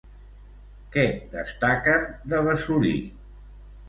Què destaquen de Besolí?